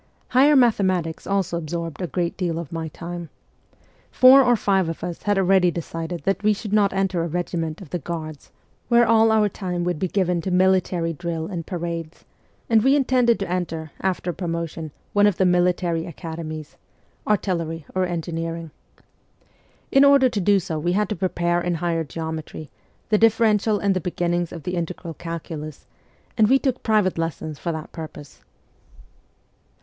Higher mathematics also absorbed a great deal of my time. Four or five of us had already decided that we should not enter a regiment of the Guards, where 136 all our time would be given to military drill and parades, and we intended to enter, after promotion, one of the military academies artillery or engineering. In order to do so we had to prepare in higher geometry, the differential and the beginnings of the integral calculus, and we took private lessons for that purpose.